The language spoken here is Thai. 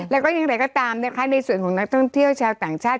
แล้วก็อย่างไรก็ตามนะคะในส่วนของนักท่องเที่ยวชาวต่างชาติ